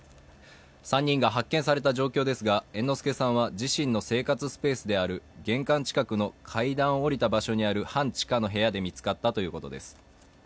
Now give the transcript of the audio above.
３人が発見された状況ですが猿之助さんは自身の生活スペースである玄関近くの階段を下りた場所にある半地下の部屋で見つかったということです。